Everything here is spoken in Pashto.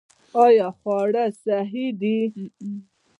آیا خواړه صحي دي؟